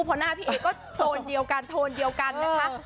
เพราะหน้าพี่เอ๊ก็ทนเดียวกัน